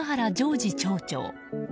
二町長。